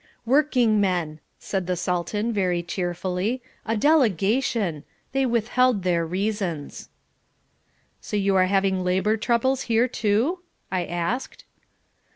"Workingmen," said the Sultan, very cheerfully, "a delegation. They withheld their reasons." "So you are having labour troubles here too?" I asked.